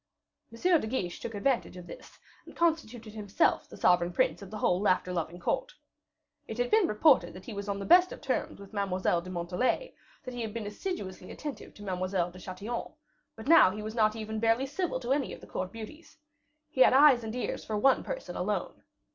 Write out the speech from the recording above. M. de Guiche took advantage of this, and constituted himself the sovereign prince of the whole laughter loving court. It had been reported that he was on the best of terms with Mademoiselle de Montalais; that he had been assiduously attentive to Mademoiselle de Chatillon; but now he was not even barely civil to any of the court beauties. He had eyes and ears for one person alone.